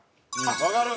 わかる！